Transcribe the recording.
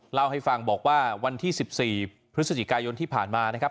เล่าให้ฟังบอกว่าวันที่๑๔พฤศจิกายนที่ผ่านมานะครับ